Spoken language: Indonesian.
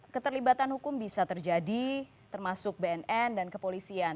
keterlibatan hukum bisa terjadi termasuk bnn dan kepolisian